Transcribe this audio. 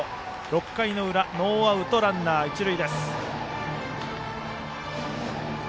６回の裏ノーアウトランナー、一塁。